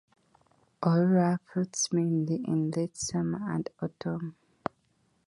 "Aleuria aurantia" fruits mainly in late summer and autumn.